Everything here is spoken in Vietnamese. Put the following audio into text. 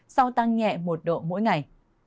sau tăng nhẹ một độ mỗi ngày